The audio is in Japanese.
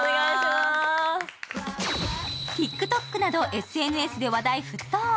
ＴｉｋＴｏｋなどＳＮＳで話題沸騰。